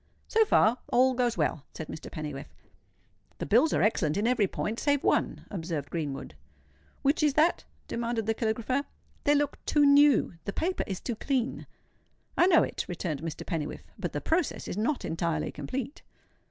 "So far, all goes well," said Mr. Pennywhiffe. "The bills are excellent in every point save one," observed Greenwood. "Which is that?" demanded the caligrapher. "They look too new—the paper is too clean." "I know it," returned Mr. Pennywhiffe; "but the process is not entirely complete."